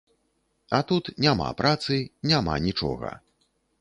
А тут няма працы, няма нічога.